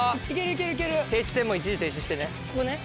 停止線も一時停止してね。